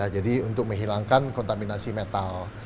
jadi untuk menghilangkan kontaminasi metal